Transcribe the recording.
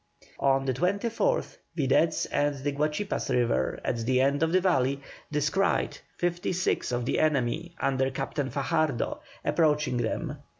On the 24th, videttes on the Guachipas River at the end of the valley, descried fifty six of the enemy, under Captain Fajardo, approaching them.